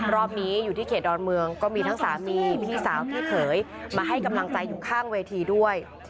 รอบนี้อยู่ที่เขตดอนเมืองก็มีทั้งสามีพี่สาวพี่เขยมาให้กำลังใจอยู่ข้างเวทีด้วย